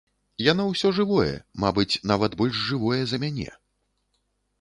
Яно ўсё жывое, мабыць, нават больш жывое за мяне.